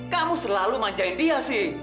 kamu selalu manjain dia sih